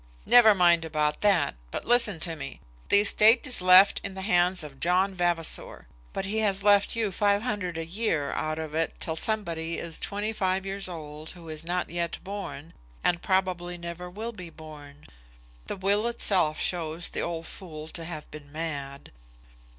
"Never mind about that, but listen to me. The estate is left in the hands of John Vavasor; but he has left you five hundred a year out of it till somebody is twenty five years old who is not yet born, and probably never will be born. The will itself shows the old fool to have been mad."